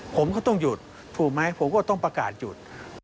ผมก็ต้องหยุดถูกไหมผมก็ต้องประกาศหยุด